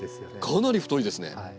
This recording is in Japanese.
かなり太いですね。